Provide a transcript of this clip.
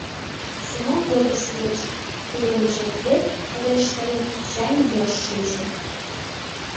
Семон пӧртыш пурыш, пӧлемыш эртыде, кыдежыш каен, чайым йӱаш шинче.